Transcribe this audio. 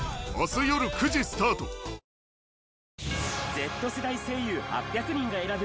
Ｚ世代声優８００人が選ぶ！